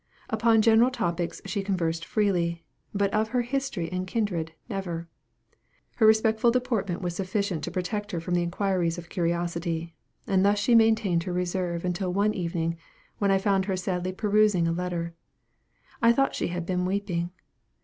Upon general topics she conversed freely; but of her history and kindred, never. Her respectful deportment was sufficient to protect her from the inquiries of curiosity; and thus she maintained her reserve until one evening when I found her sadly perusing a letter. I thought she had been weeping.